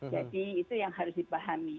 jadi itu yang harus dipahami